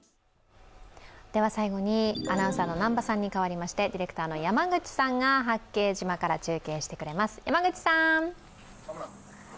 最後に、アナウンサーの南波さんに代わりましてディレクターの山口さんが八景島から中継してれます。